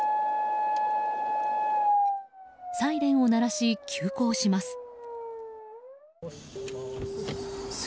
サイレンを鳴らし急行します。